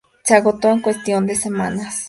Se agotó en cuestión de semanas.